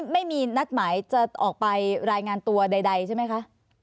ไม่มีนัดหมายจะออกไปรายงานตัวใดใช่ไหมคะ